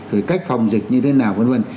rồi cách phòng dịch như thế nào vân vân